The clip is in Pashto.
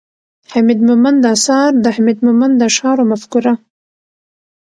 ،حميد مومند اثار، د حميد مومند د اشعارو مفکوره